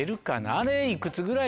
あれいくつぐらい？